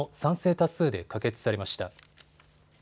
多数で可決されました。